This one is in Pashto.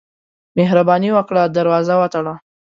مهرباني وکړه، دروازه وتړه.